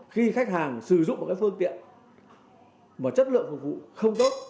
khi khách hàng sử dụng một phương tiện mà chất lượng phục vụ không tốt